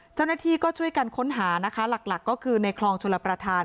เจ้าหน้าที่ก็ช่วยกันค้นหานะคะหลักก็คือในคลองชลประธาน